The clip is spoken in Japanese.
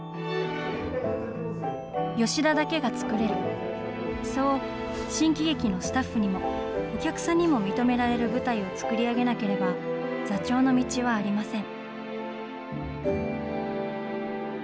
吉田だけが作れる、そう新喜劇のスタッフにも、お客さんにも認められる舞台を作り上げなければ、座長の道はありません。